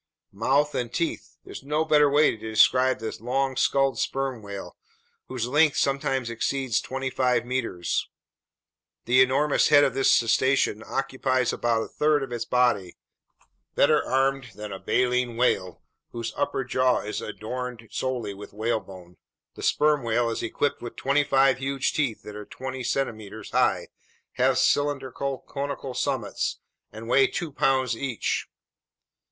Mouth and teeth! There's no better way to describe the long skulled sperm whale, whose length sometimes exceeds twenty five meters. The enormous head of this cetacean occupies about a third of its body. Better armed than a baleen whale, whose upper jaw is adorned solely with whalebone, the sperm whale is equipped with twenty five huge teeth that are twenty centimeters high, have cylindrical, conical summits, and weigh two pounds each.